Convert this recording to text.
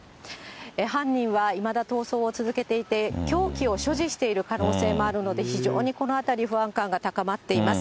犯人はいまだ逃走を続けていて、凶器を所持している可能性もあるので、非常にこの辺り、不安感が高まっています。